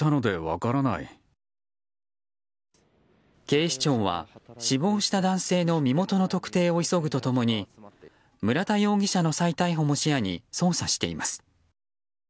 警視庁は死亡した男性の身元の特定を急ぐと共に村田容疑者の再逮捕も視野に捜査しています。